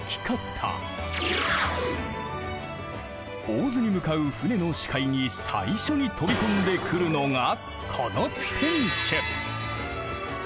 大洲に向かう舟の視界に最初に飛び込んでくるのがこの天守。